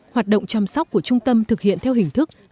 hoạt động chăm sóc của trung tâm thực hiện theo hình thức